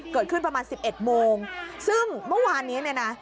เกิดขึ้นประมาณสิบเอ็ดโมงซึ่งเมื่อวานนี้เนี่ยนะ